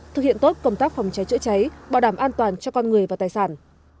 thực hiện tốt công tác phòng cháy chữa cháy bảo đảm an toàn cho con người và tài sản